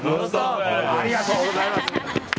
ありがとうございます。